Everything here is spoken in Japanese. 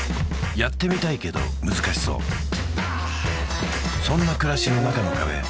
やってみたいけど難しそうそんな暮らしの中の壁